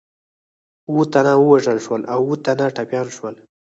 اووه تنه ووژل شول او اووه تنه ټپیان شول.